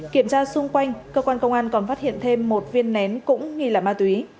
kiểm tra xung quanh cơ quan công an còn phát hiện thêm một viên nén cũng nghi là ma túy